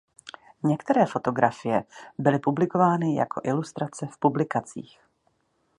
Některé fotografie byly publikovány jako ilustrace v publikacích.